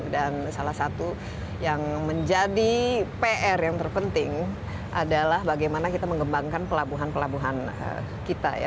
dan salah satu yang menjadi pr yang terpenting adalah bagaimana kita mengembangkan pelabuhan pelabuhan kita ya